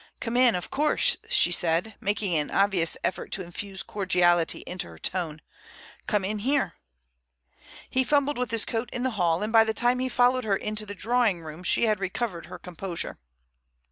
"Come in, of course," she said, making an obvious effort to infuse cordiality into her tone. "Come in here." He fumbled with his coat in the hall, and by the time he followed her into the drawing room she had recovered her composure.